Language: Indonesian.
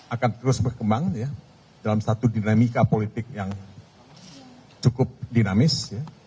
akan terus berkembang dalam satu dinamika politik yang cukup dinamis